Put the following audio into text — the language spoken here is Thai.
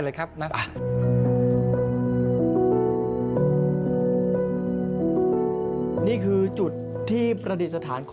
อ๋อออกไปอีก